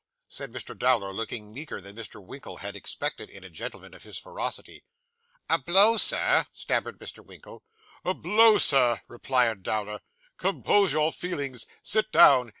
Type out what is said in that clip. said Mr. Dowler, looking meeker than Mr. Winkle had expected in a gentleman of his ferocity. 'A blow, Sir?' stammered Mr. Winkle. 'A blow, Sir,' replied Dowler. 'Compose your feelings. Sit down.